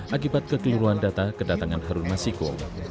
akibat kekeliruan data kedatangan harun masiku